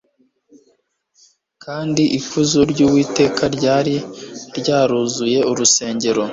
kandi ikuzo ry'uwiteka ryari ryaruzuye urusengero